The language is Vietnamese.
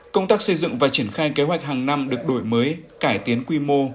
công tác xây dựng và triển khai kế hoạch hàng năm được đổi mới cải tiến quy mô